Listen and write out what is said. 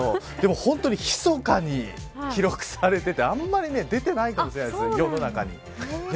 本当にひそかに記録されていてあんまり出てないかもしれません世の中に。